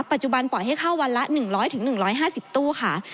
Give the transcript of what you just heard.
ปล่อยให้เข้าวันละ๑๐๐๑๕๐ตู้ค่ะ